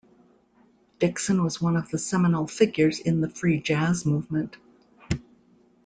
Dixon was one of the seminal figures in the free jazz movement.